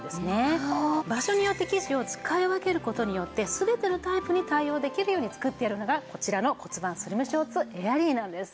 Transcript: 場所によって生地を使い分ける事によって全てのタイプに対応できるように作ってあるのがこちらの骨盤スリムショーツエアリーなんです。